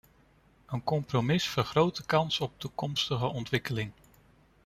Een compromis vergroot de kans op toekomstige ontwikkeling.